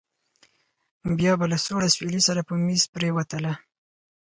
بيا به له سوړ اسويلي سره په مېز پرېوتله.